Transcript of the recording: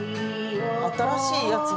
新しいやつまで。